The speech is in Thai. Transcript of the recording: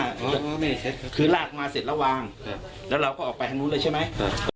ก็คือลากมาเสร็จแล้ววางแล้วเราก็ออกแนวดีล่างอะไรเลยใช่ไหม